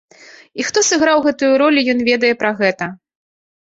І хто сыграў гэтую ролю, ён ведае пра гэта.